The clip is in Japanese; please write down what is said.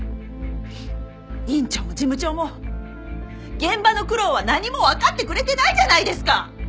院長も事務長も現場の苦労は何もわかってくれてないじゃないですか！